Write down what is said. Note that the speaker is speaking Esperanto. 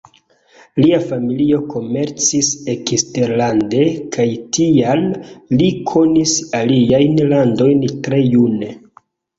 Lia familio komercis eksterlande, kaj tial li konis aliajn landojn tre june.